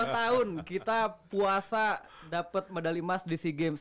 tiga puluh dua tahun kita puasa dapet medali emas di sea games